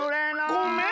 ごめん！